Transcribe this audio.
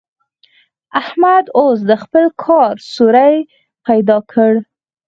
احمد اوس د خپل کار سوری پيدا کړ.